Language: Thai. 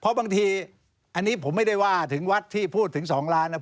เพราะบางทีอันนี้ผมไม่ได้ว่าถึงวัดที่พูดถึง๒ล้านนะ